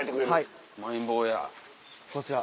こちら。